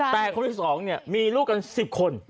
แต่คนที่สองเนี่ยมีลูกกัน๑๐คน